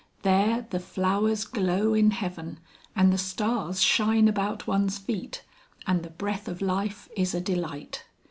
There the flowers glow in Heaven and the stars shine about one's feet and the breath of life is a delight.